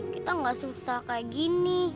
kita gak susah kayak gini